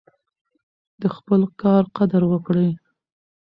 د خپل کار قدر وکړئ.